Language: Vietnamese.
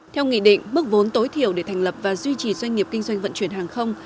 theo nghị định bức vốn tối thiểu để thành lập và duy trì doanh nghiệp kinh doanh vận chuyển hàng không